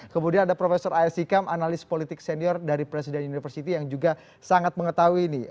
kemudian ada profesor aisyikam analis politik senior dari presiden universiti yang juga sangat mengetahui nih